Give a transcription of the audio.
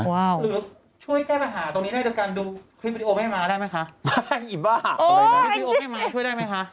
ช่วยแก้ปัญหาตรงนี้ได้ด้วยกันดูครีมวิดีโอให้มาได้ไหมคะ